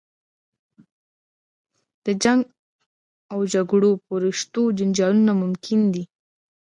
د جنګ و جګړو په رشتو جنجالونه ممکن دي.